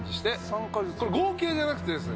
これ合計じゃなくてですね